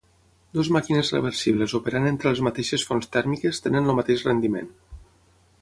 Dues màquines reversibles operant entre les mateixes fonts tèrmiques tenen el mateix rendiment.